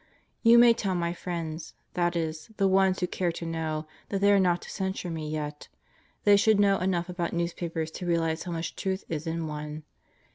You may tell my friends that is, the ones who care to know that they are not to censure me yet. They should know enough about newspapers to realize how much truth is in one.